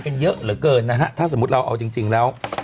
เยอะเหลือเกินนะฮะถ้าสมมุติเราเอาจริงแล้ว